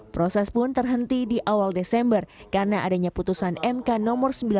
proses pun terhenti di awal desember karena adanya putusan mk no sembilan puluh